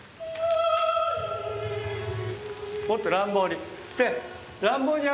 もっと乱暴に。